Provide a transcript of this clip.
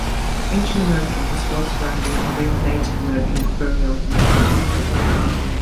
Ancient America was built surrounding a real Native American burial mound.